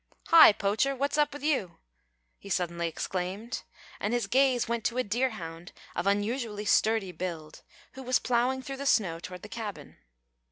"Hi, Poacher whot's up with you?" he suddenly exclaimed, and his gaze went to a deerhound of unusually sturdy build, who was ploughing through the snow toward the cabin.